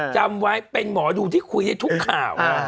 จำไว้เป็นหมอดูที่คุยได้ทุกข่าว